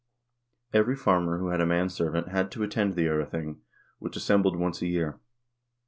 Every farmer who had a manservant had to attend the 0rething, which assembled once a year.